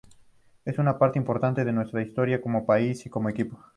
Es una parte importante de nuestra historia como país y como equipo.